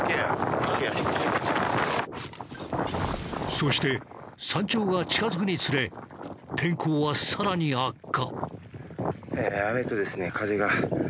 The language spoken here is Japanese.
そして山頂が近付くにつれ天候は更に悪化。